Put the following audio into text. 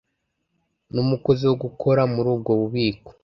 n umukozi wo gukora muri ubwo bubiko